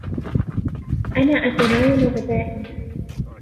أنا أتناول غدائي.